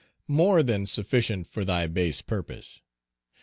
More than sufficient Page 280 for thy base purpose!